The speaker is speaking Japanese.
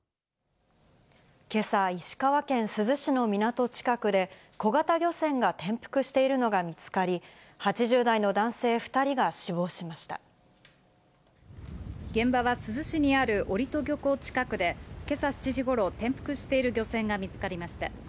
けさ、石川県珠洲市の港近くで、小型漁船が転覆しているのが見つかり、現場は珠洲市にある折戸漁港近くで、けさ７時ごろ、転覆している漁船が見つかりました。